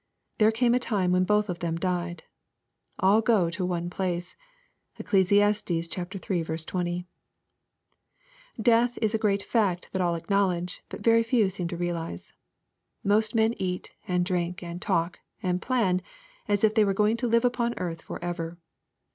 There came a Lime when both of them died. "All go to one place." (Eccles. iii 20.) Death is a great fact that all acknowledge, but very few seem to realize. Most men eat, and drink, and talk, and plan, as if they were going to live upon earth fo?' ever.